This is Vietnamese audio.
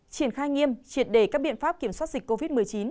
triển khai nghiêm triệt đề các biện pháp kiểm soát dịch covid một mươi chín